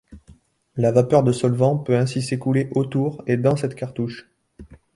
La vapeur de solvant peut ainsi s'écouler autour et dans cette cartouche.